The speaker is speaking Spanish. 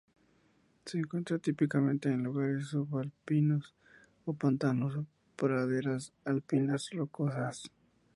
Se encuentra típicamente en lugares subalpinos o pantanos o praderas alpinas rocosas.